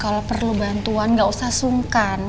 kalau perlu bantuan gak usah sungkan